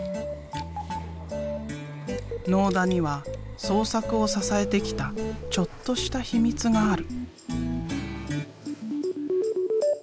納田には創作を支えてきたちょっとしたヒミツがある。